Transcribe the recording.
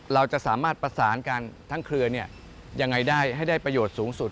เราจะสามารถประสานกันทั้งเครือยังไงได้ให้ได้ประโยชน์สูงสุด